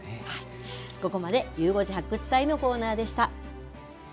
ここまでゆう５時発掘隊のコーナーでした。